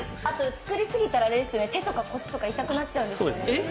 作りすぎたら手とか腰とか痛くなっちゃうんですよね。